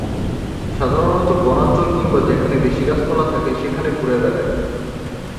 সাধারণত বনাঞ্চল কিংবা যেখানে বেশি গাছ-পালা থাকে সেখানে ঘুরে বেড়ায়।